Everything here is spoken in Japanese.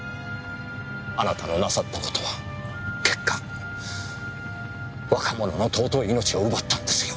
あなたのなさった事は結果若者の尊い命を奪ったんですよ。